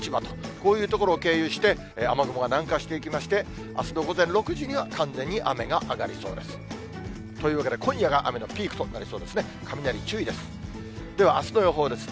こういう所を経由して、雨雲が南下していきまして、あすの午前６時には完全に雨が上がりそうです。というわけで今夜が雨のピークとなりそうですね。